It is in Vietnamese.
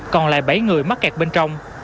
còn lại bảy người mắc kẹt bên trong